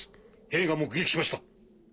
兵が目撃しました。